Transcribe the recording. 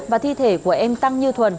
và thi thể của em tăng như thuần